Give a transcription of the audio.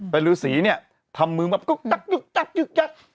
แต่ฤษีเนี่ยทำมือแบบกุ๊กตั๊กยุกตั๊กยุกตั๊ก